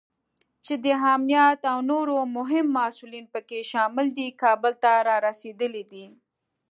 چې د امنیت او نور مهم مسوولین پکې شامل دي، کابل ته رارسېدلی دی